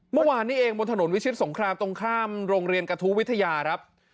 เมื่อวานนี้เองบนถนนวิชิตสงครามตรงข้ามโรงเรียนกระทู้วิทยาครับ